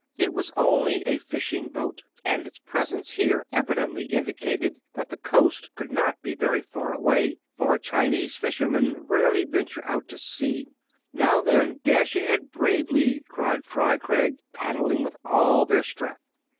It was only a fishing boat, and its pres ence here evidently indicated that the coast could not be very far away ; for Chinese fishermen rarely venture out to sea. "Now, then, dash ahead bravely!" cried Fry Craig, paddling with all their strength.